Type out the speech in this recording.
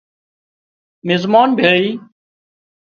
مزمان ڀيۯي